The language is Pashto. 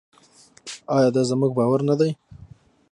آیا دا زموږ باور نه دی؟